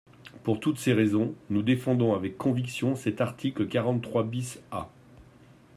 Pour toutes ces raisons, nous défendons avec conviction cet article quarante-trois bis A.